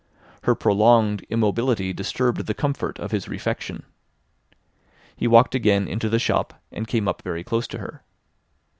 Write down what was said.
Her prolonged immobility disturbed the comfort of his refection. He walked again into the shop, and came up very close to her.